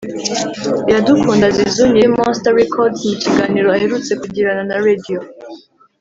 iradukunda zizou nyiri monster records mu kiganiro aherutse kugirana na radio